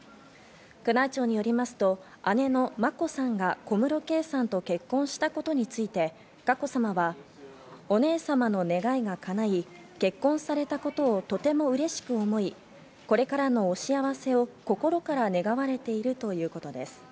宮内庁によりますと姉の眞子さんが小室圭さんと結婚したことについて、佳子さまは、お姉さまの願いが叶い、結婚されたことをとてもうれしく思い、これからのお幸せを心から願われているということです。